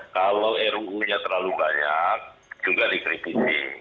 kalau ruu nya terlalu banyak juga dikritisi